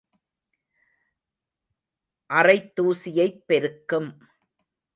அறைத் தூசியைப் பெருக்கும்.